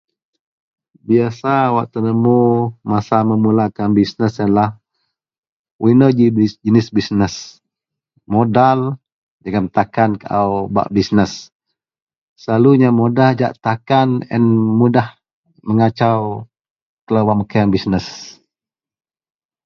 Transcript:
Biyasa wak tenemu masa memulakan bisnes iyenlah what eno ji jenis bisnes modal jegem takan kaau bak bisness, selalunya modal jahak takan ain mudah mengasau telo bak mekeang bisnes.